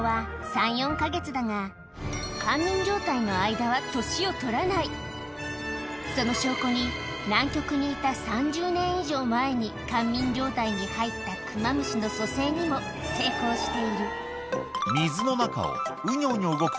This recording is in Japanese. だがその証拠に南極にいた３０年以上前に乾眠状態に入ったクマムシの蘇生にも成功している水の中をうにょうにょ動く